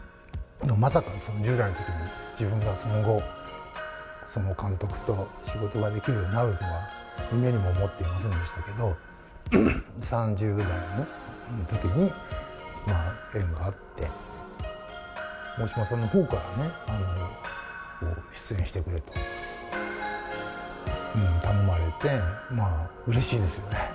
まさか１０代のときに自分がその後、その監督と仕事ができるようになるとは、夢にも思っていませんでしたけど、３０ぐらいのときに、縁があって、大島さんのほうからね、出演してくれと頼まれて、うれしいですよね。